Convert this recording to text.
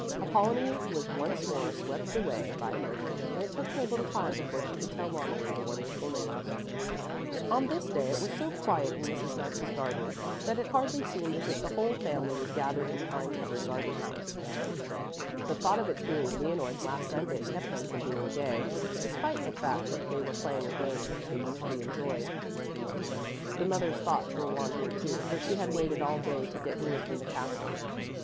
Apollonie was once more swept away by emotion, and it took her a little time before she could tell Loneli the wonderful news. On this day it was so quiet in Mrs. Maxa's garden, that it hardly seemed as if the whole family was gathered in the vine covered gardens. The thought of its being Leonore's last Sunday kept them from being gay, despite the fact that they were playing a game which they usually enjoyed. The mother's thoughts were wandering, too, for she had waited all day to get news from the castle.